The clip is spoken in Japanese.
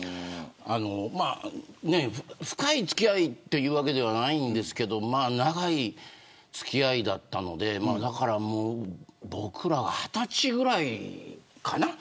深い付き合いというわけではないんですけれど長い付き合いだったので僕らが２０歳ぐらいかな。